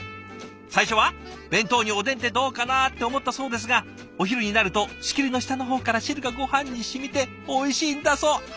最初は「弁当におでんってどうかな」って思ったそうですがお昼になると仕切りの下の方から汁がごはんに染みておいしいんだそう。